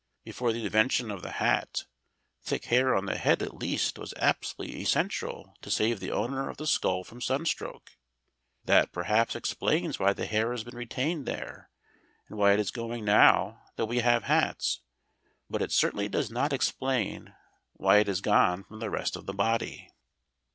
Before the invention of the hat, thick hair on the head at least was absolutely essential to save the owner of the skull from sunstroke. That, perhaps, explains why the hair has been retained there, and why it is going now that we have hats, but it certainly does not explain why it has gone from the rest of the body.